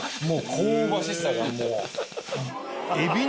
香ばしさがもう！